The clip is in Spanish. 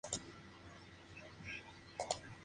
La mayoría vive en el suelo, agua dulce o en las heces.